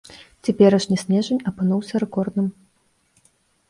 Цяперашні снежань апынуўся рэкордным.